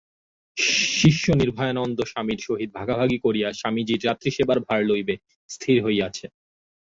শিষ্য নির্ভয়ানন্দ-স্বামীর সহিত ভাগাভাগি করিয়া স্বামীজীর রাত্রিসেবার ভার লইবে, স্থির হইয়াছে।